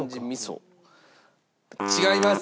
違います。